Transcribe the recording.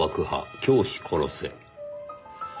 教師殺せ」